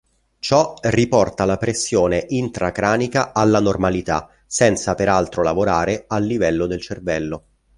Ciò riporta la pressione intracranica alla normalità, senza peraltro lavorare al livello del cervello.